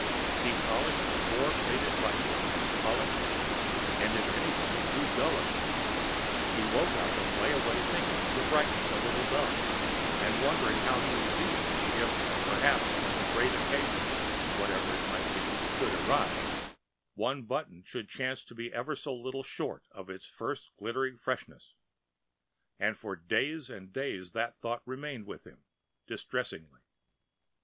He polished the poor faded button and polished it, and if anything it grew duller. He woke up and lay awake thinking of the brightness a little dulled and wondering how he would feel if perhaps when the great occasion (whatever it might be) should arrive, one button should chance to be ever so little short of its first glittering freshness, and for days and days that thought remained with him, distressingly.